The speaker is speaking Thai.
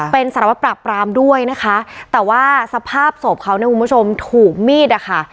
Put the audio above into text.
เป็นสารวัตรปราบปรามด้วยนะคะแต่ว่าสภาพศพเขาเนี่ยคุณผู้ชมถูกมีดอะค่ะ